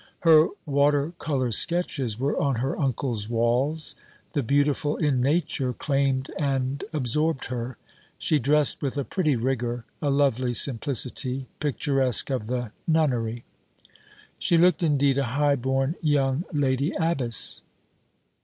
Her water colour sketches were on her uncle's walls: the beautiful in nature claimed and absorbed her. She dressed with a pretty rigour, a lovely simplicity, picturesque of the nunnery. She looked indeed a high born young lady abbess.